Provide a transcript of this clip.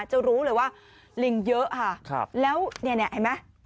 จะรู้เลยว่าลิงเยอะฮะครับแล้วเนี้ยเนี้ยใช่ไหม